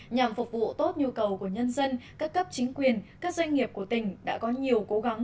nhằm phục vụ tốt nhu cầu của nhân dân các cấp chính quyền các doanh nghiệp của tỉnh đã có nhiều cố gắng